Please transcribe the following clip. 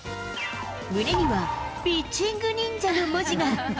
胸にはピッチングニンジャの文字が。